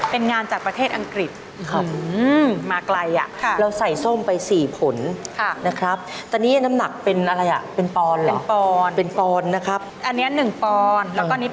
เป็นงานจากประเทศอังกฤษ